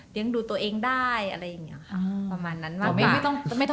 เลี้ยงดูตัวเองได้อะไรอย่างงี้อะ